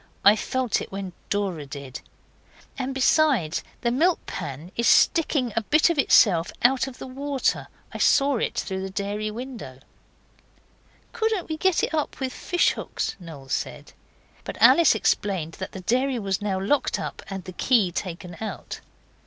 I felt it when Dora did. And besides, the milk pan is sticking a bit of itself out of the water. I saw it through the dairy window.' 'Couldn't we get it up with fish hooks?' Noel said. But Alice explained that the dairy was now locked up and the key taken out.